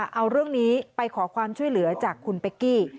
เอาเรื่องนี้ไปขอความช่วยเหลือจากคุณเป๊กกี้